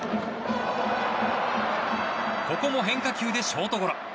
ここも変化球でショートゴロ。